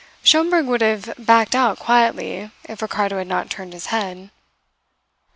Schomberg would have backed out quietly if Ricardo had not turned his head.